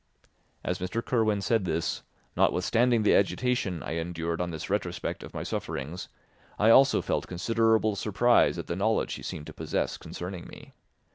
As Mr. Kirwin said this, notwithstanding the agitation I endured on this retrospect of my sufferings, I also felt considerable surprise at the knowledge he seemed to possess concerning me.